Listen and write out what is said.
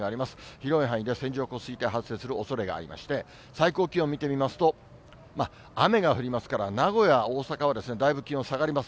広い範囲で線状降水帯、発生するおそれがありまして、最高気温見てみますと、雨が降りますから、名古屋、大阪はだいぶ気温下がります。